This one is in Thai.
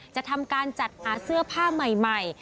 จะทำการจัดหาเสื้อผ้าใหม่